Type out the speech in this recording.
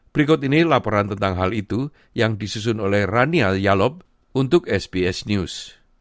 berikut ini laporan tentang hal itu yang disusun oleh ranial yalob untuk sbs news